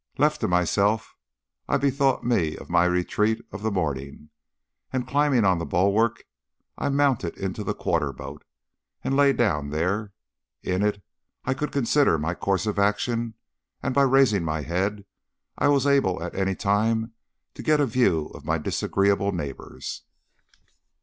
Left to myself, I bethought me of my retreat of the morning, and climbing on the bulwark I mounted into the quarter boat, and lay down there. In it I could reconsider my course of action, and by raising my head I was able at any time to get a view of my disagreeable neighbours.